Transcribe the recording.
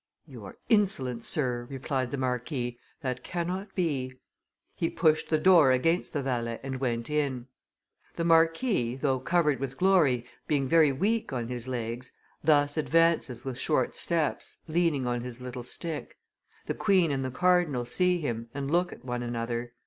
'You are insolent, sir,' replied the marquis; 'that cannot be.' He pushed; the door against the valet and went in. The marquis, though covered with glory, being very weak on his legs, thus advances with short steps, leaning on his little stick. The queen and the cardinal see him, and look at one another.